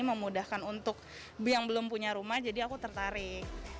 memudahkan untuk yang belum punya rumah jadi aku tertarik